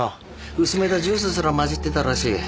薄めたジュースすら混じってたらしい。